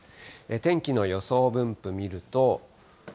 天気の予想分布見ると。